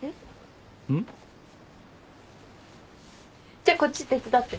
じゃあこっち手伝って。